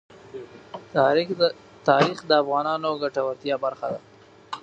تاریخ د افغانانو د ګټورتیا برخه ده.